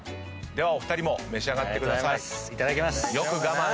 お二人も召し上がってください。